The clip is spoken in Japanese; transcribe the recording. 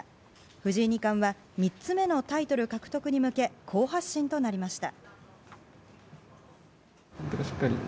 藤井二冠は３つ目のタイトル獲得に向け好発進となりました。